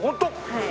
はい。